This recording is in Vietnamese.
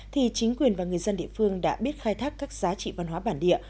thì chính quyền và người dân địa phương đã biết khai thác các giá trị văn hóa bản địa